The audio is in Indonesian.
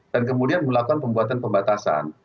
dan kemudian melakukan pembuatan pembatasan